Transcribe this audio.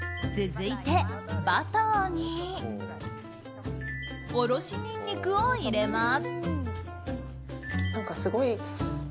続いて、バターにおろしにんにくを入れます。